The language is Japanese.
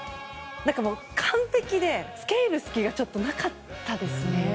完璧で付け入る隙がなかったですね。